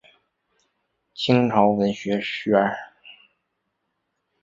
清朝文生员。